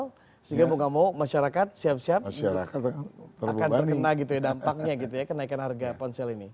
sehingga mau gak mau masyarakat siap siap akan terkena gitu ya dampaknya gitu ya kenaikan harga ponsel ini